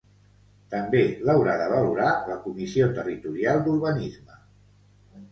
També l'haurà de valorar la Comissió Territorial d'Urbanisme.